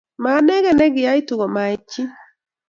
Maanegei nekiaitu komait chi